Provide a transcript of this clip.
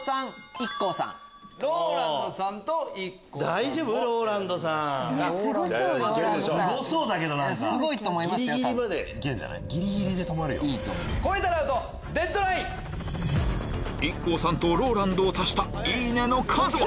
ＩＫＫＯさんとＲＯＬＡＮＤを足したいいねの数は？